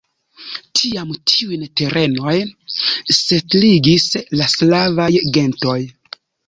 Tiam tiujn terenoj setligis la slavaj gentoj.